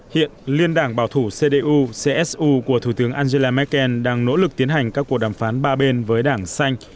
hiện liên đảng bảo thủ cdu csu của thủ tướng angela merkel đang nỗ lực tiến hành các cuộc đàm phán ba bên